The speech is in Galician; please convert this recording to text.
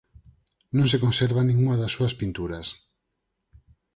Non se conserva ningunha das súas pinturas.